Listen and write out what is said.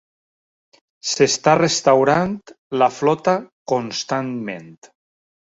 S'està restaurant la flota constantment.